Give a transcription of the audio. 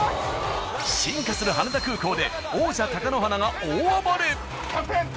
進化する羽田空港で王者・貴乃花が大暴れ！